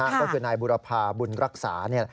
ก็คือนายบุรพาบุญรักษา